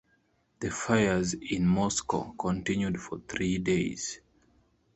The fires in Moscow continued for three days.